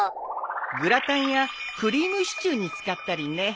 グラタンやクリームシチューに使ったりね。